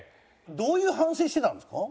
どういう反省してたんですか？